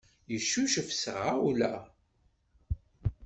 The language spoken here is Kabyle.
Yeccucef s tɣawla.